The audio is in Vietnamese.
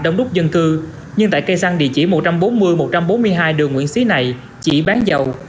đông đúc dân cư nhưng tại cây xăng địa chỉ một trăm bốn mươi một trăm bốn mươi hai đường nguyễn xí này chỉ bán dầu